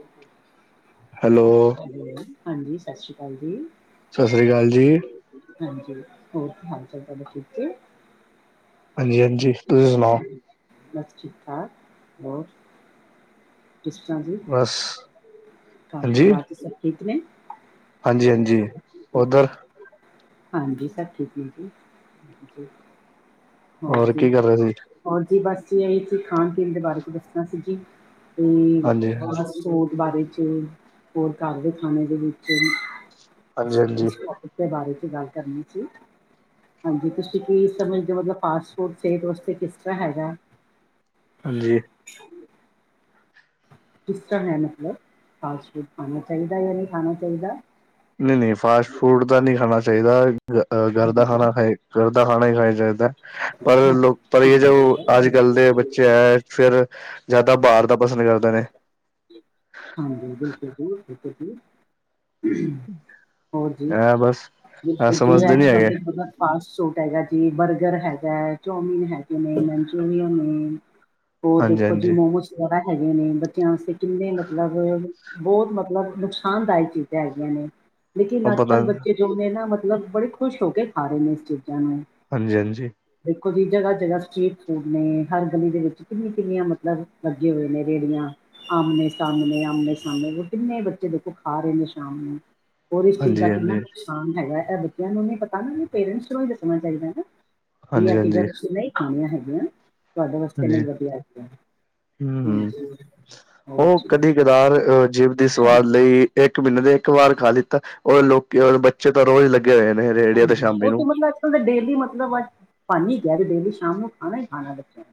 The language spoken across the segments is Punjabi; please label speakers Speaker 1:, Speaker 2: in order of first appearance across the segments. Speaker 1: [inaudible]
Speaker 2: ਹੈਲੋ।
Speaker 1: ਹੈਲੋ, ਹਾਂਜੀ ਸਤਿ ਸ੍ਰੀ ਅਕਾਲ ਜੀ।
Speaker 2: ਸਤਿ ਸ਼੍ਰੀ ਅਕਾਲ ਜੀ।
Speaker 1: ਹਾਂਜੀ, ਹੋਰ ਕੀ ਹਾਲ ਚਾਲ ਤੁਹਾਡਾ ਠੀਕ ਏ?
Speaker 2: ਹਾਂਜੀ-ਹਾਂਜੀ, ਤੁਸੀਂ ਸੁਨਾ
Speaker 1: ਬਸ ਠੀਕ ਠਾਕ, ਹੋਰ ਤੁਸੀ ਸੁਨਾਓ ਜੀ।
Speaker 2: [unintelligible]
Speaker 1: ਘਰ
Speaker 2: ਹਾਂਜੀ,
Speaker 1: ਪਰਿਵਾਰ 'ਚ ਸਭ ਠੀਕ ਨੇ?
Speaker 2: ਹਾਂਜੀ-ਹਾਂਜੀ। ਉੱਧਰ
Speaker 1: ਹਾਂਜੀ। ਹਾਂਜੀ ਸਭ ਠੀਕ ਨੇ ਜੀ, ਹਾਂਜੀ, ਹੋਰ ਕੀ
Speaker 2: ਕਰ ਰਹੇ ਸੀ?
Speaker 1: ਹੋਰ ਜੀ, ਬਸ ਜੀ ਐ ਇੱਕ ਖਾਨ ਪੀਨ ਦੇ ਬਾਰੇ 'ਚ ਦੱਸਨਾਂ ਸੀ ਜੀ ਤੇ
Speaker 2: ਹਾਂਜੀ,
Speaker 1: ਬਸ [unintelligible] ਬਾਰੇ 'ਚ, ਹੋਰ ਘਰ ਦੇ ਖਾਨੇ ਦੇ ਵਿੱਚ ਇਸ,
Speaker 2: ਹਾਂਜੀ-ਹਾਂਜੀ,
Speaker 1: ਇਸ ਟੋਪਿਕ ਦੇ ਬਾਰੇ 'ਚ ਗੱਲ ਕਰਨੀ ਸੀ। ਹਾਂਜੀ ਤੁਸੀਂ ਕੀ ਸਮਝਦੇ, ਮਤਲਬ ਫਾਸਟ ਫੂਡ ਸਿਹਤ ਵਾਸਤੇ ਕਿਸ ਤਰ੍ਹਾਂ ਹੈਗਾ?
Speaker 2: ਹਾਂਜੀ।
Speaker 1: [inaudible] ਕਿਸ ਤਰਾਂ ਹੈ ਮਤਲਬ, ਫਾਸਟ ਫੂਡ ਖਾਨਾ ਚਾਹੀਦਾ ਯਾ ਨਹੀਂ ਖਾਨਾ ਚਾਹੀਦਾ?
Speaker 2: ਨਈ-ਨਈ, ਫਾਸਟ ਫੂਡ ਤਾਂ ਨਹੀਂ ਖਾਨਾ ਚਾਹੀਦਾ, ਅ ਘਰ ਦਾ
Speaker 1: ਹਾਂਜੀ
Speaker 2: ਖਾਣਾ ਖਾਏ ਘਰ ਦਾ ਖਾਣਾ ਈ ਖਾਈ ਚਾਇਦਾ, ਪਰ
Speaker 1: ਹਾਂ
Speaker 2: ਲੋਕ ਪਰ ਏ
Speaker 1: ਖਾਣਾ
Speaker 2: ਜੋ
Speaker 1: ਚਾਹੀਦਾ
Speaker 2: ਅੱਜ ਕੱਲ
Speaker 1: ਬਿਲਕੁਲ
Speaker 2: ਦੇ
Speaker 1: ਜੀ
Speaker 2: ਬਚ ਚ ਫਿਰ ਜ਼ਿਆਦਾ ਬਾਰ ਦਾ ਪਸੰਦ ਕਰਦੇ ਨੇ।
Speaker 1: ਹਾਂਜੀ ਬਿਲਕੁਲ ਜੀ, ਬਿਲਕੁਲ ਜੀ। ਹੋਰ ਜੀ,
Speaker 2: ਐ ਬਸ ਐ
Speaker 1: ਬਿਲਕੁਲ ਜੀ,
Speaker 2: ਸਮਝਦੇ ਨੀ
Speaker 1: ਅੱਜ-ਕੱਲ
Speaker 2: ਹੈਗੇ,
Speaker 1: ਦੇ ਮਤਲਬ ਫਾਸਟ ਫੂਡ ਹੈਗਾ ਜੀ, ਬਰਗਰ ਹੈਗਾ ਐ, ਚੋਮੀਿਨ ਹੈਗੇ ਨੇ, ਮਨਚੂਰੀਅਨ ਨੇ। ਔਰ ਦੇਖੋ ਜੀ
Speaker 2: ਹਾਂਜੀ-ਹਾਂਜੀ
Speaker 1: ਮੋਮੋਸ ਵਗੈਰਾ ਹੈਗੇ ਨੇ, ਬੱਚਿਆਂ ਵਾਸਤੇ ਕਿੰਨੇ ਮਤਲਬ ਬੋਤ ਮਤਲਬ ਨੁਕਸਾਨਦਾਇਕ ਚੀਜ਼ਾਂ ਹੈਗੀਆਂ ਨੇ ਲੇਕਿਨ
Speaker 2: ਉਹ ਪਤਾ
Speaker 1: ਅੱਜ-ਕੱਲ ਬੱਚੇ ਜੋ ਨੇ ਨਾ, ਮਤਲਬ ਬੜੇ ਖੁਸ਼ ਹੋ ਕੇ ਖਾ ਰਹੇ ਨੇ ਇਸ ਚੀਜ਼ਾਂ ਨੂੰ।
Speaker 2: ਹਾਂਜੀ-ਹਾਂਜੀ।
Speaker 1: ਦੇਖੋ ਜੀ ਜਗ੍ਹਾ ਜਗ੍ਹਾ ਸਰੀਟ ਫੂਡ ਨੇ, ਹਰ ਗਲੀ ਦੇ ਵਿੱਚ ਕਿੰਨੀ-ਕਿੰਨੀਆਂ ਮਤਲਬ ਲੱਗੇ ਹੋਏ ਨੇ ਰੇਡੀਆਂ। ਆਮਨੇ ਸਾਮਨੇ, ਆਮਨੇ-ਸਾਮਨੇ ਕਿੰਨੇ ਬੱਚੇ ਦੇਖੋ ਖਾ ਰਹੇ ਨੇ ਸ਼ਾਮ ਨੂੰ, ਹੋਰ ਇਸ ਚੀਜ਼ ਦਾ ਕਿੰਨਾ
Speaker 2: ਹਾਂਜੀ-ਹਾਂਜੀ,
Speaker 1: ਨੁਕ ਨੁਕਸਾਨ ਹੈਗਾ ਐ ਬੱਚਿਆਂ ਨੂੰ ਨੀ ਪਤਾ ਨਾ, ਪੇਰੈਂਟਸ ਨੂੰ ਹੀ ਦੱਸਣਾ ਚਾਹੀਦਾ ਨਾ ਵੀ ਇਹ ਚੀਜ਼ਾਂ
Speaker 2: ਹਾਂਜੀ-ਹਾਂਜੀ,
Speaker 1: ਤੁਸੀਂ ਨਈ ਖਾਨੀਆਂ ਹੈਗੀਆਂ, ਤੁਆਡੇ ਵਾਸਤੇ ਨਈ
Speaker 2: ਹਾਂਜੀ,
Speaker 1: ਵਧੀਆ ਹੈਗੀਆਂ,
Speaker 2: ਹੂੰ-ਹੂੰ।
Speaker 1: ਹਾਂਜੀ, ਹੋਰ
Speaker 2: ਉਹ
Speaker 1: ਜੀ
Speaker 2: ਕਦੀ ਕਦਾਰ ਅ ਜਿਬ ਦੀ ਸਵਾਦ ਲਈ, ਇੱਕ ਮਹੀਨੇ ਦੇ ਇੱਕ ਵਾਰ ਖਾ ਲਿੱਤਾ। ਓ ਲੋਕੀ, ਓ ਬੱਚੇ ਤਾਂ ਰੋਜ਼ ਲੱਗੇ ਹੋਏ ਨੇ। ਰੇਹੜੀਆਂ
Speaker 1: ਹਾਂਜੀ,
Speaker 2: ਸ਼ਾਮੀ
Speaker 1: ਓ ਤੇ
Speaker 2: ਨੂੰ
Speaker 1: ਮਤਲਬ ਓ ਤੇ ਡੇਲੀ ਮਤਲਬ ਅੱਜ ਬਨ ਈ ਗਿਆ ਕਿ ਡੇਲੀ ਸ਼ਾਮ ਨੂੰ ਖਾਨਾ ਹੀ ਖਾਨਾ ਬੱਚਿਆਂ ਨੇ।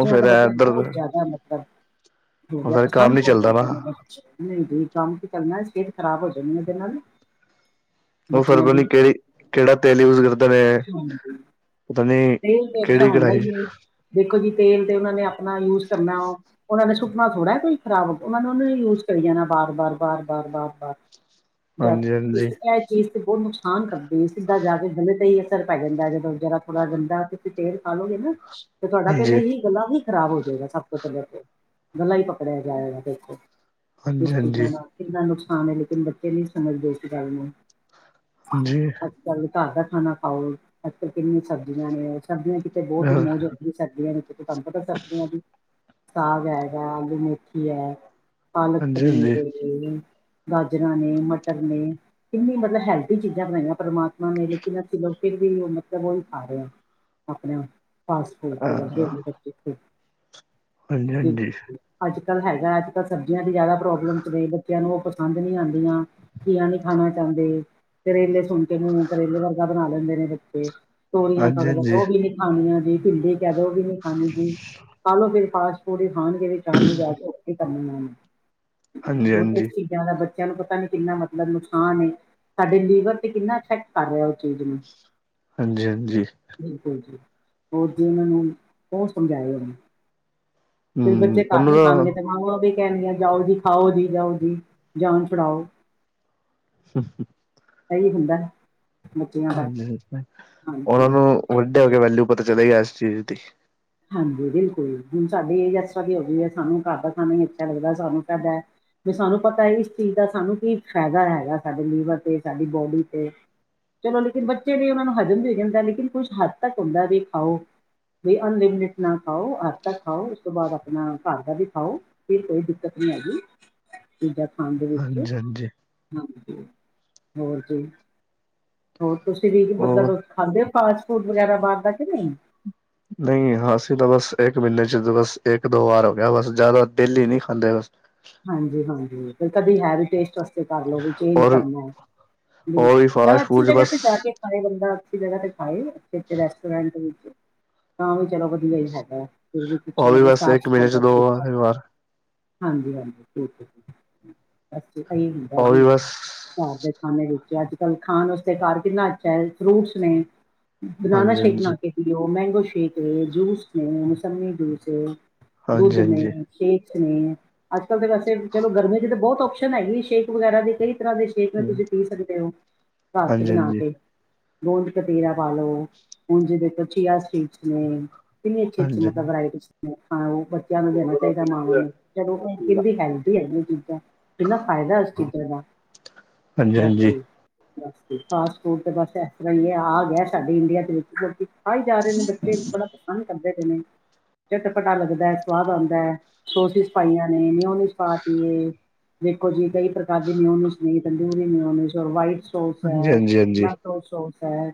Speaker 2: ਉਹ ਫੇਰ
Speaker 1: ਦਾ ਮਤਲਬ
Speaker 2: ਇੱਧਰ
Speaker 1: ਬੋਤ ਜਾਦਾ ਮਤਲਬ ਹੋ
Speaker 2: ਉਹ
Speaker 1: ਗਿਆ
Speaker 2: ਫੇਰ ਕੰਮ
Speaker 1: ਪਸੰਦ
Speaker 2: ਨੀ
Speaker 1: ਬੋਤ
Speaker 2: ਚੱਲਦਾ ਨਾ
Speaker 1: ਕਰਦੇ ਨੇ। ਨਈ-ਨਈ ਕੰਮ ਕੀ ਕਰਨਾ, ਸਿਹਤ ਖਰਾਬ ਹੋ ਜਾਨੀ ਏਦੇ ਨਾਲ।
Speaker 2: ਓ ਫੇਰ
Speaker 1: ਬੱਚਿਆਂ
Speaker 2: ਪਤਾ
Speaker 1: ਦੀ
Speaker 2: ਨੀ ਕਿਹੜੀ, ਕਿਹੜਾ ਤੇਲ ਯੂਜ ਕਰਦੇ ਨੇ?
Speaker 1: ਹਾਂਜੀ
Speaker 2: ਤਾਣੀ
Speaker 1: ਤੇਲ ਤੇ ਅੱਛਾ
Speaker 2: ਕਿਹੜੀ
Speaker 1: ਹੁੰਦਾ
Speaker 2: ਕਿਹੜਾਈ
Speaker 1: ਹੀ ਨਹੀਂ ਦੇਖੋ ਜੀ ਤੇਲ ਤੇ ਉਹਨਾਂ ਨੇ ਆਪਣਾ ਯੂਜ ਕਰਨਾ ਉਹ। ਉਹਨਾਂ ਨੇ ਸੁੱਟਣਾ ਥੋੜ੍ਹਾ ਕੋਈ ਖਰਾਬ ਉਹ ਨੇ ਉਹਨੂੰ ਯੂਜ ਕਰੀ ਜਾਣਾ ਬਾਰ ਬਾਰ ਬਾਰ ਬਾਰ ਬਾਰ ਬਾਰ। ਡ
Speaker 2: ਹਾਂਜੀ ਹਾਂਜੀ
Speaker 1: ਚੀਜ਼ ਤੇ ਬਹੁਤ ਨੁਕਸਾਨ ਕਰਦੇ ਇਸ ਜਾ ਕੇ ਗਲੇ ਤੇ ਹੀ ਅਸਰ ਪੈ ਜਾਂਦਾ ਹੈ ਜਦੋਂ। ਥੋੜਾ ਗੰਦਾ ਤੁਸੀਂ ਤੇਲ ਖਾਾਲੋਗੇ ਨਾ ਤੇ ਤੁਹਾਡਾ ਪਹਿਲਾਂ
Speaker 2: ਹਾਂਜੀ
Speaker 1: ਇ ਗੱਲਾਂ ਹੀ। ਖ਼ਰਾਬ ਹੋ ਜਾਏਗਾ ਸਭ ਤੋਂ ਪਹਿਲਾਂ ਗਲਾ ਹੀ ਪਕੜਿਆ ਜਾਏਗਾ ਕਿਸ
Speaker 2: ਹਾਂਜੀ ਹਾਂਜੀ
Speaker 1: ਚੀਜ਼ਾਂ ਨਾਲ। ਕਿੰਨਾ ਨੁਕਸਾਨ ਹੈ ਲੇਕਿਨ ਬੱਚੇ ਨਹੀਂ ਸਮਝਦੇ ਇਸ ਗੱਲ ਨੂੰ।
Speaker 2: ਹਾਂਜੀ
Speaker 1: ਘਾਰਦਾ ਖਾਣਾ ਖਾਓ ਅੱਲ ਕਿਨੀਆਂ ਸਬਜ਼ੀਆਂ ਨੇ ਸਬਜ਼ੀਆਂ ਕਿਤੇ ਬਹੁਤ ਹੀ
Speaker 2: ਹਾਂਜੀ
Speaker 1: ਮੌਜ। ਸਰਦੀਆਂ ਵਿਚ ਤਾਨੁ ਪਤਾ ਸਬਜ਼ੀਆਂ ਦੀ ਸਾਗ ਹੈਗਾ ਆਲੂ ਮੇਥੀ ਹੈ। ਪਾਲਕ
Speaker 2: ਹਾਂਜੀ
Speaker 1: ਪਨੀਰ ਗਾਜਰਾਂ ਨੇ ਮਟਰ ਨੇ। ਕਿਨੀ ਮਤਲਬ ਹੈਲਥੀ ਚੀਜਾ ਬਣਾਈਆਂ ਪ੍ਰਮਾਤਮਾ ਨੇ ਲੇਕਿਨ ਅਸੀ ਫਿਰ ਵੀ ਮਤਲਬ ਉਹ। ਰ ਆਪਣੇ ਫਾਸਟ ਫੂਡ ਤੇ
Speaker 2: ਹਾਂ
Speaker 1: ਲੱਗੇ ਬੇ
Speaker 2: ਹਾਂਜੀ ਹਾਂਜੀ
Speaker 1: ਬਿਲਕੁਲ ਅੱਜ ਕਲ ਹੈਗਾ ਅੱਜ ਕਲ ਸਬਜੀਆਂ ਦੀ ਜਿਆਦਾ ਪ੍ਰੋਬਲਮ ਚ ਨੇ ਬੱਚਿਆਂ ਨੂੰ ਉਹ। ਪਸੰਦ ਨੀ ਆਉਦੀਆਂ ਘੀਆ ਨੀ ਖਾਣਾ ਚਾਹੰਦੇ ਕਰੇਲੇ ਸੁਣ। ਮੂੰਹ ਕਰੇਲੇ ਵਰਗਾ ਬਣਾ ਲੈਦੇ ਨੇ ਬੱਚੇ ਤੋਰੀਆਂ ਕ
Speaker 2: ਹਾਂਜੀ ਹਾਂਜੀ
Speaker 1: ਉਹ ਵੀ ਨੀ ਖਾਣੀਆਂ ਜ ਢਿਲੇ। ਕਦੋ ਵੀ ਨਹੀ ਖਾਦੇ ਜੀ ਖਾਲੋ ਫਿਰ ਪਾਸ ੇ ਖਾਣਗੇ ਸ਼ਾਮ ਨੂੰ ਜਾ ਕੇ ਉਥੇ ਕਰਨ।
Speaker 2: ਹਾਂਜੀ ਹਾਂਜੀ
Speaker 1: [unintelligible] ਦਾ ਬੱਚਿਆਂ ਨੂੰ ਪਤਾ ਨੀ ਕਿੰਨਾ ਮਤਲਬ ਨੁਕਸਾਨ ਏ। ਸਾਡੇ ਲੀਵਰ ਤੇ ਕਿੰਨਾ ਇਫੈਕਟ ਕਰ ਰਿਹਾ ਉਹ ਚੀਜ਼ ਨੂੰ।
Speaker 2: ਹਾਂਜੀ ਹਾਂਜੀ।
Speaker 1: ਬਿਲਕੁਲ ਜੀ ਹੋਰ ਜੇ ਮੈਨੂੰ ਹੋਰ ਸਮਝਏ ਉਹਨ। ਫ
Speaker 2: ਹਮ
Speaker 1: ਬੱਚੇ ਘਰ
Speaker 2: ਉਹਨੂੰ
Speaker 1: ਨ
Speaker 2: ਤਾਂ
Speaker 1: ਖਾਣਗੇ ਤੇ ਮਾਵਾਂ ਵੀ ਕਹਿਣ ਗੀਆਂ ਜਾਓ ਜੀ ਖਾਓ ਜੀ ਜਾਓ ਜੀ ਜਾਨ ਛੁਡਾਓ।
Speaker 2: ਹਮ ਹ। [unintelligible]
Speaker 1: ਐਹੀ ਹੁੰਦਾ ਬੱਚਿਆਂ ਦਾ।
Speaker 2: ਹਾਂਜੀ ਉਹਨਾਂ
Speaker 1: ਹਾਂਜੀ
Speaker 2: ਨੂੰ ਵੱਡੇ ਹੋ ਕੇ ਵੈਲਊ ਪਤਾ ਚਲੇਗਾ ਇਸ ਚੀਜ਼ ਦੀ।
Speaker 1: ਹਾਂਜੀ ਬਿਲਕੁਲ ਹੁਣ ਸਾਡੀ ਏਜ ਐਸ ਤਰਹਾ ਦੀ ਹੋਈ ਹੈ ਸਾਨੂੰ ਘਰ ਦਾ ਖਾਣਾ ਹੀ ਅੱਛਾ ਲੱਗਦਾ ਸਾਨੂੰ ਤੁਹਾਡਾ। ਵੀ ਸਾਨੂੰ ਪਤਾ ਹੈ ਇਸ ਚੀਜ਼ ਦਾ ਸਾਨੂੰ ਕੀ ਫਾਇਦਾ ਹੈਗਾ ਸਾਡੇ ਲੀਵਰ ਤੇ ਸਾਡੀ ਬੋਡੀ ਤੇ। ਚਲੋ ਲੇਕਿਨ ਬੱਚੇ ਲਈ ਉਹਨਾਂ ਨੂੰ ਹਜਮ ਵੀ ਹੋ ਜਾਂਦਾ ਲੇਕਨ ਕੁਛ ਹੱਦ ਤੱਕ ਹੁੰਦਾ ਵੀ ਖਾਓ। ਅਨਲਿਮਟਿਡ ਨਾ ਖਾਓ ਹੱ ਤੱਕ ਖਾਓ ਉਸ ਤੋਂ ਬਾਅਦ ਆਪਣਾ ਘਰ ਦਾ ਵੀ ਖਾਓ। ਫ ਕੋਈ ਦਿੱਕਤ ਨਹੀ ਹੈਗੀ। ਚੀਜ਼ਾ ਖਾਣ ਦੇ ਵਿਚ
Speaker 2: ਹਾਂਜੀ ਹਾਂਜੀ
Speaker 1: ਹਾਂਜੀ ਹੋਰ ਜੀ ਹੋਰ ਤੁਸੀ ਵੀ
Speaker 2: ਉਹ
Speaker 1: ਮਤਲਬ ਖਾਂਦੇ ਹੋ ਫਾਸਟ ਫੂਡ ਵਗੈਰਾ ਬਾਹਰ ਦਾ ਕਿ ਨਹੀ।
Speaker 2: ਨਹੀ ਹਾਂਸੀ ਤਾਂ ਬਸ ਇਕ ਮਹੀਨੇ ਚ ਬਸ ਇਕ ਦੋ ਵਾਰ ਹੋ ਗਿਆ ਬਸ ਜ਼ਿਆਦਾ ਡੇਲੀ ਨਹੀ ਖਾਂਦੇ ਬਸ।
Speaker 1: ਹਾਂਜੀ ਹਾਂਜੀ ਤੇ ਕਦੇ ਹੈ ਵੀ ਟੇਸਟ ਕਰ ਲ ਵੀ ਚੇਂਜ
Speaker 2: ਔਰ
Speaker 1: ਕਰਨਾ
Speaker 2: ਉਹ ਵੀ
Speaker 1: ਬਿਲਕੁਲ ਜਿਆ
Speaker 2: ਫਾਸਟ
Speaker 1: ਅਛੀ
Speaker 2: ਫੂਡ ਚ
Speaker 1: ਜਗ
Speaker 2: ਬਸ
Speaker 1: ਤੇ ਜਾ ਕੇ। ਬੰਦਾ ਅਛੀ ਜਗਾ ਤੇ ਖਾਏ ਅੇ ਰੈਸਟੋਰੈਂਟ ਵਿਚ ਤਾਂ ਵੀ ਚਲੋ। ਹੈਗਾ ਵੀ ਕੁਛ
Speaker 2: ਉਹ
Speaker 1: ਮਤਲਬ
Speaker 2: ਬਸ
Speaker 1: ਸਾਫ਼
Speaker 2: ਇੱਕ
Speaker 1: ਸਫਾਈ
Speaker 2: ਮਹੀਨੇ
Speaker 1: ਦਾ
Speaker 2: ਚ
Speaker 1: ਤ
Speaker 2: ਦੋ ਵਾਰ ਵਾਰ
Speaker 1: ਹਾਂਜੀ ਹਾਂਜੀ ਠੀਕ ਠੀਕ ਬਸ ਸਹੀ ਹੁੰਦਾ
Speaker 2: ਉਹ
Speaker 1: ਜੀ।
Speaker 2: ਵੀ ਬਸ
Speaker 1: ਘਰ ਦੇ ਖਾਨੇ ਵਿਚ ਅਜ ਕਲ ਖਾਣ ਉਸਦੇ ਘਰ ਕਿਨਾ ਅਛਾ ਹੈ। ਫਰੂਟਸ ਨੇ। ਬਨਾਨਾ
Speaker 2: ਹਾਂਜੀ
Speaker 1: ਸ਼ੇਕ ਬਣਾ ਕੇ ਪੀਓ ਮੈਂਗੋ ਸ਼ੇਕ ਹੈ, ਜੂਸ ਹੈ, ਮੋਸਮੀ ਜੂਸ ਹੈ।
Speaker 2: ਹਾਂਜੀ
Speaker 1: ਦੁੱਧ ਨੇ,
Speaker 2: ਹਾਂਜੀ
Speaker 1: ਸੇਖ ਨੇ ਹੈ। ਅਜ ਕਲ ਤਾਂ ਵੈਸੇ ਚਲ ਗਰਮੀ ਚ ਤਾਂ ਬਹੁਤ ਓਪਸ਼ਨ ਹੈਗੀ ਸ਼ੇਕ ਵਗੈਰਾ ਦੀ ਕਈ ਤਰ੍ਹਾਂ ਦੇ ਸੇਕ ਤੁਸੀਂ ਪੀ ਸਕਦੇ ਹੋ ਘਰ ਚ ਬਣਾ
Speaker 2: ਹਾਂਜੀ ਹਾਂਜੀ
Speaker 1: ਕੇ। ਗੋਂਦ ਕਤਿਰਾ ਪਾ ਲਓ ਹੁ ਜਿਹਦੇ ਕੋ ਚੀਆ ਸੀਟਸ ਨੇ। ਕਿਨੀ ਅਛੀ ਅਛੀ ਮਤਲਬ
Speaker 2: ਹਾਂਜੀ
Speaker 1: ਵਰਾਇਟੀ ਬੱਚਿਆਂ ਨੂੰ ਦੇਣਾ ਚਾਹੀਦਾ ਮਾਵਾਂ ਨੂੰ ਚਲੋ।
Speaker 2: ਹਾਂਜੀ ਹਾਂਜੀ ਹਾਂਜੀ
Speaker 1: ਕਿੰਨੀ ਹੈਲਦੀ ਹੈ। ਇਹ ਚੀਜ਼ਾਂ ਕਿੰਨਾ ਫਾਇਦਾ ਉਸ ਚੀਜ਼ਾਂ ਦਾ
Speaker 2: ਹਾਂਜੀ
Speaker 1: ਬਾਕੀ ਫਾਸਟ ਫੂਡ ਤੇ ਬਸ ਇਸ ਤਰ੍ਹਾਂ ਹੀ ਹੈ। ਆ ਗਿਆ ਸਾਡੇ ਇੰਡੀਆ ਦੇ ਵਿਚ। ਆ ਹੀ ਜਾ ਰਹੇ ਨੇ ਬੱਚੇ ਬੜਾ ਤੰਗ ਕਰਦੇ ਪਏ ਨੇ। ਚਟਪਟਾ ਲੱਗਦਾ ਸਵਾਦ ਆਉਦਾ ਹੈ। ਸੋਸਿਸ ਪਾਈਆਂ ਨ ਉਹ ਮੈਂਓਨੀਸ ਪਾਦੀਤੀ ਏ- ਦੇਖੋ ਜੀ ਕਈ ਪ੍ਰਕਾਰ ਦੀ ਮਿਊਨੀਜ ਨੇ। ਤੰਦੂਰੀ ਮਿਊਨੀਜ ਔਰ ਵਾਈਟ ਸੋਸ ਹੈ,
Speaker 2: ਹਾਂਜੀ ਹਾਂਜੀ
Speaker 1: ਮੈਟੋ ਸੋਸ ਹੈ।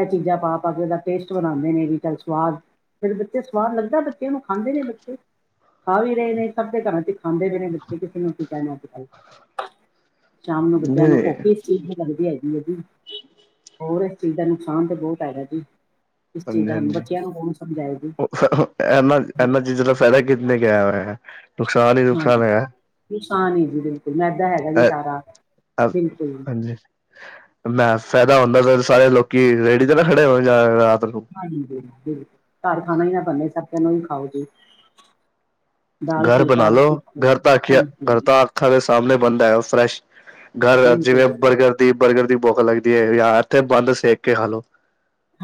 Speaker 1: ਇਹ ਚੀਜ਼ਾਂ ਪਾ-ਪਾ ਕੇ ਉਹਦਾ ਟੇਸਟ ਬਣਾਉਦੇ ਨੇ। ਵੀ ਚਲ ਸਵਾਦ ਬਟ ਬੱਚੇ ਸਵਾਦ ਲੱਗਦਾ ਬੱਚੇਆ ਨੂੰ। ਖਾਂਦੇ ਨੇ ਬੱਚੇ, ਖਾ ਵੀ ਰਹੇ ਨੇ। ਸਭ ਦੇ ਘਰਾਂ ਚ ਖਾਂਦੇ ਪਏ ਨੇ ਬੱਚੇ, ਕਿਸੇ ਨੂੰ ਕੀ ਕੈਹਨਾ ਅੱਜ ਕੱਲ। ਸ਼ਾਮ ਨੂੰ ਬੱਚਿਆਂ ਨੂੰ,
Speaker 2: ਨਹੀਂ
Speaker 1: ਭੁੱਖ ਹੀ ਇਸ ਚੀਜ਼ ਦੀ ਲੱਗਦੀ ਹੈਗੀ। ਜੀ ਹੋਰ ਇਸ ਚੀਜ਼ ਦਾ ਨੁਕਸਾਨ ਤਾਂ ਬਹੁਤ ਹੈਗਾ ਜੀ ਇਸ ਚੀਜ਼ ਦਾ
Speaker 2: ਹਾਂਜੀ-ਹਾਂਜੀ
Speaker 1: ਬੱਚਿਆਂ ਨੂੰ ਕੌਣ ਸਮਝਾਏ ਜੀ
Speaker 2: ਉਹ ਇਹਨਾ -ਇਹਨਾਂ ਚੀਜ਼ਾਂ ਦਾ ਫਾਇਦਾ ਕਿੱਨੇ, ਕਿਹਾ ਹੋਇਆ। ਨੁਕਸਾਨ ਹੀ, ਨੁਕਸਾਨ ਹੈ।
Speaker 1: ਨੁਕਸਾਨੀ ਹੀ ਹੈ ਜੀ, ਬਿਲਕੁਲ ਮੈਦਾ ਹੈਗਾ। ਜੀ ਸਾਰਾ ਬਿਲਕੁਲ।
Speaker 2: ਲੈ ਫਾਇਦਾ ਹੁੰਦਾ ਪਿਆ। ਫੇਰ ਤੇ ਸਾਰੇ ਲੋਕੀ ਰੇਡੀ ਤੇ, ਨਾ ਖੜੇ ਹੋ, ਜਾਂਣ ਰਾਤ ਨੂੰ।
Speaker 1: ਹਾਂਜੀ ਹਾਂ, ਬਿਲਕੁਲ ਘਰ ਖਾਣਾ ਹੀ, ਨਾ ਬੰਨੇ ਸਬ ਕਹਿਣ ਉਹੀ ਖਾਓ ਜੀ। ਦਾਲ
Speaker 2: ਘਰ
Speaker 1: ਫੁਲਕਾ
Speaker 2: ਬਣਾ ਲੋ,
Speaker 1: ਹਾਂਜੀ
Speaker 2: ਘਰ ਤਾਂ ਆਖਿਆ
Speaker 1: ਬਿਲਕੁਲ
Speaker 2: ਘਰ ਤਾਂ, ਅੱਖਾਂ ਦੇ ਸਾਹਮਣੇ ਬਣਦਾ ਹੈ। ਉਹ ਫਰੈਸ਼। ਘਰ
Speaker 1: ਬਿਲਕੁਲ
Speaker 2: ਜਿਵੇਂ ਬਰਗਰ ਦੀ, ਬਰਗਰ ਦੀ, ਭੁੱਖ ਲੱਗਦੀ ਹੈ। ਜਾਂ ਇੱਥੇ ਬੰਦ ਸੇਕ ਕੇ, ਖਾ ਲੋ।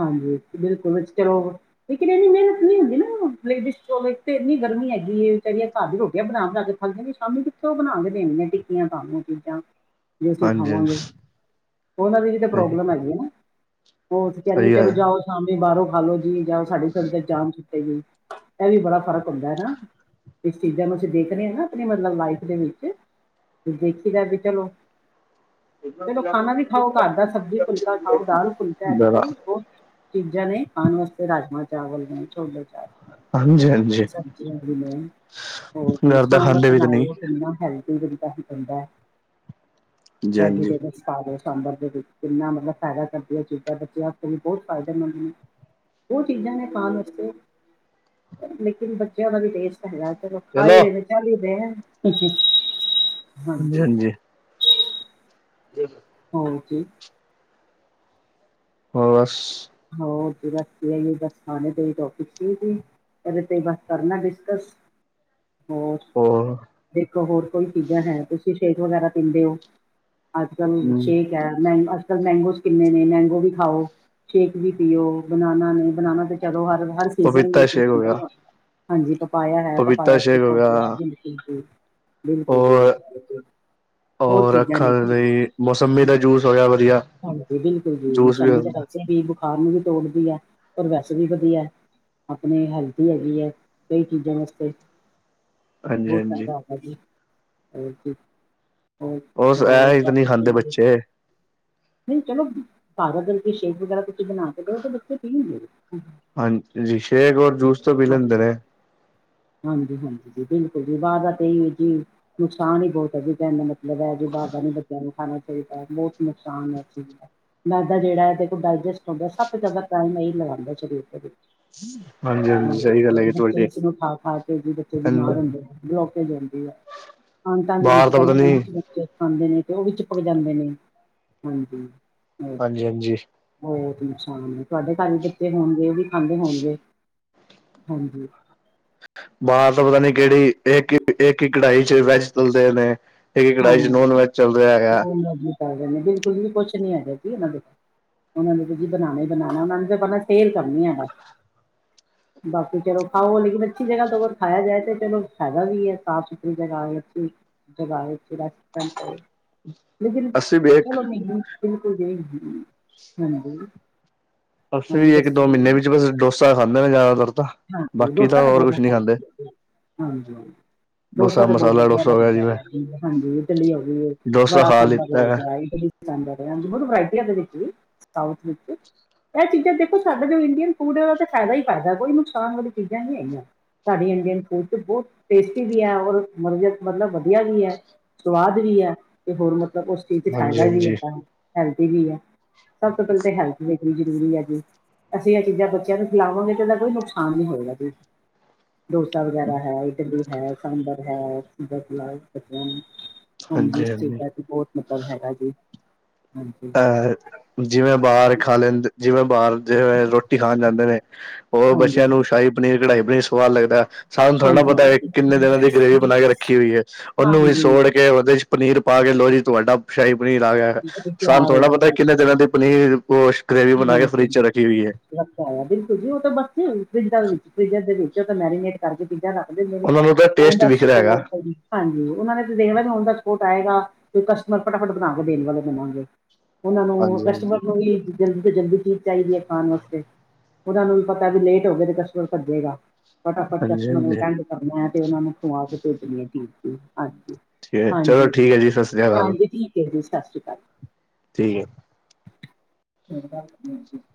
Speaker 1: ਹਾਂਜੀ, ਬਿਲਕੁਲ ਚਲੋ। ਲੇਕਿਨ ਇਨੀ ਮਿਹਨਤ ਨੀ ਹੁਦੀ ਨਾ। ਲੇਡੀਜ ਕੋਲੋਂ ਇਕ ਪਤੇ ਇਨੀ ਗਰਮੀ ਹੈਗੀ। ਵਿਚਾਰੀ ਘਰ ਦੀਆ ਰੋਟੀਆਂ ਬਣਾ- ਬਣਾ ਕੇ ਖਲਦੇ ਨੇ ਸ਼ਾਮੀ ਕਿਥੋ ਉਹ ਬਣਾ ਕੇ ਦੇਣ ਗਿਆ। ਟਿੱਕੀਆਂ ਤੁਹਾਨੂੰ ਚੀਜ਼ਾ ਜੇ ਅਸੀ
Speaker 2: ਹਾਂਜੀ ਹਾਂਜੀ
Speaker 1: ਖਾਵਾਂਗੇ ਉਹਨਾਂ ਦੀ ਲਈ ਵੀ ਤੇ
Speaker 2: ਸਹੀ
Speaker 1: ਪ੍ਰੋਬਲਮ ਹੈਗੀ ਆ। ਨਾ ਉਹ
Speaker 2: ਸਹੀ
Speaker 1: ਚਲੋ ਜਾਓ [unintelligible] ਸ਼ਾਮੀ ਬਾਹਰੋ ਖਾਲੋ ਜੀ, ਜਾਂਔ ਸਾਡੀ ਵੀ ਫੇਰ ਤੇ ਜਾਨ ਛੁੱਟੇਗੀ। ਇਹ ਵੀ ਬੜਾ ਫ਼ਰਕ ਹੁੰਦਾ ਹਨਾ ਇਸ ਚੀਜ਼ਾਂ ਨੂੰ ਅਸੀ ਦੇਖ ਰਹੇ ਹਾਂ ਨਾ ਆਪਣੀ ਮਤਲਬ ਲਾਈਫ ਦੇ ਵਿਚ। ਦੇਖੀ ਦਾ ਵੀ ਚਲੋ ਚਲੋ ਖਾਣਾ ਵੀ ਖਾਓ ਘਰ ਦਾ ਸਬਜ਼ੀ ਫੁਲਕਾ ਖਾਓ ਦਾਲ ਫੁਲਕਾ ਅਜ
Speaker 2: ਗੱਲ ਹੈ
Speaker 1: ਕਲ ਬਹੁਤ ਚੀਜ਼ਾਂ ਨੇ ਖਾਣ ਵਾਸਤੇ, ਰਾਜਮਾਂ ਚਾਵਲ ਨੇ, ਛੋਲੇ ਚਾਵਲ।
Speaker 2: ਹਾਂਜੀ ਹਾਂਜੀ
Speaker 1: ਸਭਜੀਆਂ ਵੀ ਨੇ
Speaker 2: ਘਰ ਦਾ
Speaker 1: ਸਾਂਬਰ
Speaker 2: ਖਾਂਦੇ
Speaker 1: ਦੇ,
Speaker 2: ਵੀ ਤੇ
Speaker 1: ਨਾਲ
Speaker 2: ਨਹੀਂ
Speaker 1: ਉਹ ਕਿੰਨਾ ਹੈਲਥੀ ਦਿਤਾ। ਹੁੰਦਾ
Speaker 2: ਹਾਂਜੀ ਹਾਂਜੀ
Speaker 1: ਵੈਜੀਟੇਬਲਸ। ਸਾਂਬਰ ਦੇ, ਵਿੱਚ ਕਿੰਨਾ। ਮਤਲਬ ਫਾਇਦਾ ਕਰਦੀਆਂ ਚੀਜ਼ਾਂ ਬੱਚਿਆਂ, ਹੂੰ, ਬਹੁਤ ਫ਼ਾਇਦੇਮੰਦ ਨੇ, ਉਹ ਚੀਜ਼ਾਂ ਨੇ ਖਾਣ ਵਾਸਤੇ। ਲੇਕਿਨ ਬੱਚਿਆਂ ਦਾ, ਵੀ ਟੇਸਟ ਹੈਗਾ ਚਲੋ ਖਾ ਹੀ ਰਹਿ ਆ ਚੱਲ, ਹੀ ਰਹੇ ਆ।
Speaker 2: ਹਾਂਜੀ -ਹਾਂਜੀ। ਜੀ,
Speaker 1: ਹਾਂਜੀ।
Speaker 2: ਫਾਸਟ।
Speaker 1: ਹੋਰ ਬਸ, ਇਹੀ ਬਸ, ਖਾਣੇ ਤੇ ਹੀ ਟੋਪਿਕ ਸੀਗੀ। ਇਹਦੇ ਤੇ, ਹੀ ਬਸ ਕਰਨਾ ਡਿਸਕਸ, ਹੋਰ।
Speaker 2: ਹੋਰ?
Speaker 1: ਦੇਖੋ ਹੋਰ ਕੋਈ, ਈ ਚੀਜ਼ਾਂ ਹੈ ਤੇ ਸੀਹੀ ਸ਼ੇਕ ਵਗੈਰਾ ਪੀਂਦੇ ਹੋ, ਅੱਜ ਕੱਲ
Speaker 2: ਹਮ
Speaker 1: ਸ਼ੇਕ। ਮੈਂ, ਅੱਜ ਕੱਲ ਮਗੋਸ ਕਿੰਨੇ ਨੇ, ਮੈਂਗੋ ਵੀ ਖਾਓ! ਸ਼ੇਕ ਵੀ ਪੀਓ ਬਨਾਨਾ ਨੇ, ਬਨਾਨਾ ਤੇ ਚਲੋ ਹਰ ਸੀਜ਼ਨ
Speaker 2: ਪਪੀਤਾ
Speaker 1: ਵਿੱਚ।
Speaker 2: ਸ਼ੇਕ ਹੋ ਗਿਆ
Speaker 1: ਹਾਂਜੀ, ਪਪਾਇਆ ਹੈ, ਪਪਾਇਆ ਸੋਕ, ਹੋ ਗਿਆ। ਬਿਲਕੁਲ ਜੀ
Speaker 2: ਔਰ
Speaker 1: ਬਿਲਕੁਲ। ਬਹੁਤ
Speaker 2: ਔਰ
Speaker 1: ਚੀਜ਼ਾਂ
Speaker 2: ਅੱਖਾਂ
Speaker 1: ਨੇ
Speaker 2: ਦੇ
Speaker 1: ਜੀ
Speaker 2: ਲਈ ਮੌਸੰਮੀ ਦਾ
Speaker 1: ਹਾਂਜੀ
Speaker 2: ਜੂਸ ਹੋਇਆ ਵਧੀਆ।
Speaker 1: ਹਾਂਜੀ, ਬਿਲਕੁਲ ਜੀ
Speaker 2: ਜੂਸ
Speaker 1: ਮੋਸੰਮੀ
Speaker 2: ਵੀ
Speaker 1: ਤਾਂ, ਵੈਸੇ ਵੀ ਬੁਖਾਰ ਨੂੰ, ਵੀ ਤੋੜਦੀ ਹੈ, ਔਰ ਵੈਸੇ ਵੀ ਵਧੀਆ। ਆਪਣੇ ਹੈਲਥੀ ਹੈਗੀ ਹੈ। ਕਈ ਚੀਜ਼ਾਂ ਵਾਸਤੇ।
Speaker 2: ਹਾਂਜੀ
Speaker 1: ਬਹੁਤ
Speaker 2: ਹਾਂਜੀ
Speaker 1: ਫੇਦਾ ਹੁੰਦਾ ਜੀ, ਬਿਲਕੁਲ ਜੀ। ਹੋਰ
Speaker 2: ਉਸ ਐ
Speaker 1: ਹੋਰ
Speaker 2: ਹੀ ਤਾਂ
Speaker 1: ਬਸ
Speaker 2: ਨਹੀਂ ਖਾਂਦੇ
Speaker 1: ਜੀ।
Speaker 2: ਬੱਚੇ!
Speaker 1: ਨਹੀਂ ਚਲੋ ਬਾਰ ਗਲ ਦੀ ਸ਼ੇਕ ਵਗੈਰਾ ਕੁ ਬਣਾ। ਕੇ ਦਿਓ ਤੇ ਬੱਚੇ ਪੀਣਗੇ
Speaker 2: ਹਾਂਜੀ ਸ਼ੇਕ ਔਰ ਜੂਸ ਤੋਂ ਪੀ ਲੈਂਦੇ
Speaker 1: ਹਾਂਜੀ
Speaker 2: ਨੇ।
Speaker 1: ਹਾਂਜੀ ਹਾਂਜੀ ਜੀ ਬਿਲਕੁਲ ਜੀ ਬਾਰ ਦਾ ਤਾਂ ਜੀ ਨੁਕਸਾਨ ਹੀ ਬਹੁਤ ਹੈ ਵੀ। ਲਗੈ ਜੇ ਬਾਰ ਨੀ ਬੱਚਿਆਂ ਨੂੰ ਖਾਣਾ ਚਾਹੀਦਾ ਬਹੁਤ ਨੁਕਸਾਨ ਹੈ ਇਸ ਚੀਜ ਦਾ। ਮੈਦਾ ਜਿਹੜਾ ਹੈ ਕੋ ਡਾਇਜਸਟ ਹੁੰਦਾ ਸਭ ਜ਼ਿਆਦਾ ਟਾਈਮ ਲਗਾਉਂਦਾ ਸਰੀਰ ਦੇ ਵਿੱਚ।
Speaker 2: ਹਾਂਜੀ ਹਾਂਜੀ ਸਹੀ ਗੱਲ ਹੈਗੀ
Speaker 1: ਹ
Speaker 2: ਤੁਹਾਡੀ
Speaker 1: ਖਾ। ਖਾ ਕੇ ਬੱਚੇ ਬਿਮਾਰ ਹੁੰਦੇ ਆ ਬਲੋਕ ਹੋ ਜਾਂਦੀ ਆ ਅਤਾਂ ਦੇ
Speaker 2: ਬਾਹਰ
Speaker 1: ਵਿੱਚ
Speaker 2: ਤਾਂ ਪਤਾ ਨੀ
Speaker 1: ਕਹਿੰਦੇ। ਖਾਂਦੇ ਨੇ ਤੇ ਉਹ ਵੀ ਚੀਪਕ ਜਾਂਦੇ ਨੇ ਹਾਂਜੀ। ਹੋਰ
Speaker 2: ਹਾਂਜੀ ਹਾਂਜੀ।
Speaker 1: ਬਹੁਤ ਨਕਸਾਨ ਤੁਹਾਡੇ ਘਰ ਵੀ ਬੱਚੇ ਹੋਣਗੇ, ਉਹ ਵੀ ਖਾਂਦੇ ਹੋਣਗੇ। ਹਾਂਜੀ,
Speaker 2: ਬਾਹਰ ਤਾਂ ਪਤਾ ਨੀ ਕਿਹੜੀ, ਇੱਕ -ਇੱਕ ਹੀ ਕਢਾਈ ਚ ਵੈਜ ਤਲਦੇ ਨੇ। ਤੇਰੀ ਕੜਾਈ ਚ ਨੋਨ ਵੈਜ ਚੱਲ ਰਿਹਾ ਹੈਗਾ।
Speaker 1: ਚਦੇਦੇ ਨੇ ਬਿਲਕੁਲ ਵੀ ਕੁਛ ਨੀ ਹੈਗ ਸੀ ਇਹਨਾਂ ਦੇ। ਉਹਨਾਂ ਨੇ ਜੀ ਬਣਾਉਣਾ ਹੀ ਬਣਾਉਣਾ ਉਹਨਾ ਨੂੰ ਤਾਂ ਸੇਲ ਕਰਨੀ ਹੈ ਬੱਸ। ਬਾਕੀ ਚਲੋ ਖਾਓਗੇਗਾ ਲਕਿਨ ਅੱਛੀ ਜਗਾ ਤੋਂ ਅਗਰ ਖਾਇਆ ਜਾਏ ਤੇ ਚਲੋ ਫਾਇਦਾ ਵੀ ਹੈ ਸਾਫ਼ ਸੁਥਰੀ ਜਗਾ ਏ। ਜਗਾ ਲੇਕਿਨ
Speaker 2: ਅਸੀਂ ਵੀ ਇੱਕ
Speaker 1: ਚਲੋ ਨਹੀਂ ਬਿਲਕੁਲ ਜੀ ਹਾਂਜੀ
Speaker 2: ਅਸੀਂ
Speaker 1: ਹਾਂਜੀ
Speaker 2: ਵੀ ਇੱਕ
Speaker 1: ਦੱਸੋ
Speaker 2: ਦੋ ਮਹੀਨੇ
Speaker 1: ਜੀ
Speaker 2: ਵਿੱਚ ਬਸ ਡੋਸਾ ਖਾਂਦੇ ਨੇ ਜ਼ਿਆਦਾਤਰ ਤਾਂ।
Speaker 1: ਹਾਂਜੀ
Speaker 2: ਬਾਕੀ
Speaker 1: ਡੋਸਾ
Speaker 2: ਤਾਂ
Speaker 1: ਤੇ
Speaker 2: ਹੋਰ
Speaker 1: ਬਹੁਤ
Speaker 2: ਕੁਛ ਨਹੀ ਖਾਂਦੇ।
Speaker 1: ਵਧੀਆ। ਹਾਂਜੀ ਡੋਸਾ ਤਾਂ ਬਹੁਤ
Speaker 2: ਮਸਾਲਾ
Speaker 1: ਵਧਿਆ
Speaker 2: ਡੋਸਾ ਹੋ ਗਿਆ
Speaker 1: ਲੱਗਦਾ
Speaker 2: ਜਿਵੇਂ
Speaker 1: ਹਾਂਜੀ ਇਟਲੀ ਹੇ ਗਈ।
Speaker 2: ਡੋਸਾ
Speaker 1: ਵੜਾ
Speaker 2: ਖਾ
Speaker 1: ਸਡਰ
Speaker 2: ਲਿੱਤਾ
Speaker 1: ਗਿਆ
Speaker 2: ਹੈ
Speaker 1: ਸਬ ਵਰਾਇਟੀ ਆਖ ਸਾਊਥ ਵਿੱਚ ਇਹ ਚੀਜ਼ਾਂ ਦੇਖੋ ਸਾਡਾ ਜੋ ਇੰਡੀਅਨ ਫੂਡ ਹੈ। ਉਹਦਾ ਫਾਇਦਾ ਹੀ ਫਾਇਦਾ ਕੋਈ ਨੁਕਸਾਨ ਵਾਲੀ ਚੀਜ਼ਾਂ ਨਹੀਂ ਹੈਗੀਆਂ। ਸਾਡੇ ਇੰਡੀਅਨ ਫੂਡ ਚ ਬਹੁਤ ਟੇਸਟੀ ਵੀ ਹੈ ਔਰ ਮਤਲਬ ਵਧੀਆ ਵੀ ਹੈ। ਸਵਾਦ ਵੀ ਹੈ ਤੇ ਹੋਰ ਮਤਲਬ ਉਸ।
Speaker 2: ਹਾਂਜੀ
Speaker 1: ਫਾਇਦਾ ਵੀ
Speaker 2: ਹਾਂਜੀ
Speaker 1: ਹੈਗਾ ਹੈਲਦੀ ਵੀ ਹੈ ਸਭ ਤੋਂ ਪਹਿਲਾਂ ਤਾਂ ਹੈਲਥ ਵਿੱਚ। ਬੜੀ ਜ਼ਰੂਰੀ ਹੈ ਜੀ ਅਸੀਂ ਇਹ ਚੀਜ਼ਾਂ ਬੱਚਿਆਂ ਨੂੰ ਖਿਲਾਵਾਂਗੇ ਤੇ ਉਹਦਾ ਕੋਈ ਨੁਕਸਾਨ ਨੀ ਹੋਏਗਾ ਜੀ। ਡੋਸਾ ਵਗੈਰਾ ਹੈ ਇਡਲੀ ਹੈ ਸਾਂਬਰ ਹੈ ਇਹ ਚੀਜਾਂ ਖਿਲਾਓ ਬੱਚਿਆਂ ਨੂ। ਹਾਂਜੀ ਇਸ ਚੀਜਾਂ ਚ ਬਹੁਤ ਮਤਲਬ ਹੈਗਾ ਜੀ ਹਾਂਜੀ।
Speaker 2: ਜਿਵੇਂ ਬਾਹਰ ਖਾ ਲੈਂਦੇ ਜਿਵੇਂ ਬਾਹਰ ਜਿਵੇਂ ਰੋਟੀ ਖਾਣ ਜਾਂਦੇ ਨੇ। ਉਹ
Speaker 1: ਹਾਂਜੀ,
Speaker 2: ਬੱਚਿਆਂ ਨੂੰ ਸ਼ਾਹੀ ਪਨੀਰ ਕੜਾਈ ਪਨੀਰ ਸਵਾਦ ਲੱਗਦਾ। ਸਾਨੂੰ ਥੋੜਾ
Speaker 1: ਹਾਂਜੀ,
Speaker 2: ਪਤਾ ਕਿੰਨੇ ਦਿਨਾਂ ਦੀ ਗ੍ਰੇਵੀ ਬਣਾ ਕੇ ਰੱਖੀ ਹੋਈ ਉਹਨੂੰ ਵੀ
Speaker 1: ਹਾਂਜੀ,
Speaker 2: ਸੋੜ। ਉਹਦੇ ਚ ਪਨੀਰ ਪਾ ਕੇ ਲੋਓ ਜੀ ਤੁਹਾਡਾ ਸ਼ਾਹੀ ਪਨੀਰ ਆ ਗਿਆ। ਸਾਨੁ
Speaker 1: ਤਿਆਰ
Speaker 2: ਥੋੜ
Speaker 1: ਹੋ
Speaker 2: ਨਾ
Speaker 1: ਜੀ
Speaker 2: ਪਤਾ ਕਿੰਨੇ ਦਿਨਾਂ
Speaker 1: ਬਿਲਕੁਲ।
Speaker 2: ਦੀ ਪਨੀਰ ਗ੍ਰੇਵੀ ਬਣਾ ਕੇ ਫਰਿਜ ਚ ਰੱਖੀ ਹੋਈ ਹੈ
Speaker 1: ਲੱਗਦਾ ਬਿਲਕੁਲ ਜੀ ਉਹ ਤਾਂ ਬੱਸੇ ਫਿਜਾਂ ਫਿਜਰ ਦੇ ਵਿੱਚ ਉਹ ਤਾਂ ਮੈਰੀਨੇਟ ਕਰਕੇ। [inaudible] ਚੀਜ਼ਾਂ ਰੱਖ ਦਿੰਦੇ ਨੇ
Speaker 2: ਉਹਨਾਂ ਨੂੰ ਤਾਂ
Speaker 1: ਉਹ
Speaker 2: ਟੇਸਟ
Speaker 1: ਨ
Speaker 2: ਵਿਖਦਾ ਹੈਗਾ
Speaker 1: ਸਪੋਟ ਹਾਂਜੀ ਉਹਨਾਂ ਨੇ ਤੇ ਦੇਖਣਾ ਵੀ ਓਹਨਾ ਨੇ ਦੇਖਣਾ ਸਪੋਰਟ ਆਏਗਾ ਕਸਟਮਰ ਫਟਾਫਟ ਬਣਾਾਂਗੇ ਦੇਣ ਵਾਲੇ ਬਣੋਗੇ ਉਹਨਾਂ ਨੂੰ
Speaker 2: ਹਾਂਜੀ
Speaker 1: ਕਸਟਮਰ
Speaker 2: ਹਾਂਜੀ
Speaker 1: ਨੂੰ ਵੀ ਜਲਦੀ ਤੋਂ ਜਲਦੀ ਚੀਜ਼ ਚਾਹੀਦੀ ਹੈ ਖਾਣ ਵਾਸਤੇ। ਉਹਨਾਂ ਨੂੰ ਵੀ ਪਤਾ ਵੀ ਲੇਟ ਹੋ ਗਏ ਤੇ ਕਸਟਮਰ ਭੱਜੇਗਾ ਫਟਾਫਟ
Speaker 2: ਹਾਂਜੀ
Speaker 1: ਕਸਟਮਰ ਨੁ
Speaker 2: ਹਾਂਜੀ
Speaker 1: ਅਟੈੰਡ ਕਰਨੇ ਹਾ ਤੇ ਉਹਨਾਂ ਨੂੰ ਖਵਾ ਕੇ ਭੇਜਣੀ ਹੈ ਚੀਜ਼ ਹਾਂਜੀ
Speaker 2: ਠੀਕ ਹੈ, ਚਲੋ
Speaker 1: ਹਾਂਜੀ
Speaker 2: ਠੀਕ ਹੈ ਜੀ ਸਤਿ ਸ੍ਰੀ ਅਕਾਲ
Speaker 1: ਹਾਂਜੀ ਠੀਕ ਹੈ ਜੀ ਸਤਿ ਸ੍ਰੀ ਅਕਾਲ
Speaker 2: ਠੀਕ ਹੈ
Speaker 1: ਚ [inaudible]